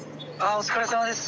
お疲れさまです。